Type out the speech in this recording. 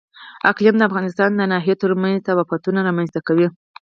اقلیم د افغانستان د ناحیو ترمنځ تفاوتونه رامنځ ته کوي.